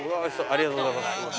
ありがとうございます。